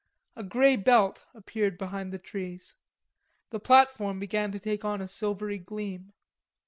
A grey belt appeared behind the trees. The platform began to take on a silvery gleam.